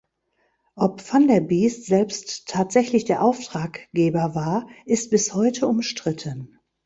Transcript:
Ob Van der Biest selbst tatsächlich der Auftraggeber war, ist bis heute umstritten.